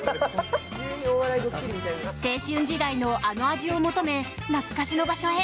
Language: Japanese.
青春時代のあの味を求め懐かしの場所へ。